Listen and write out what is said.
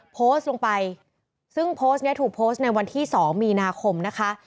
โพสต์ลงไปซึ่งโพสต์นี้ถูกโพสต์ในวันที่๒มีนาคมนะคะ